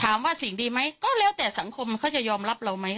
ถามว่าสิ่งดีไหมก็แล้วแต่สังคมเขาจะยอมรับเราไหม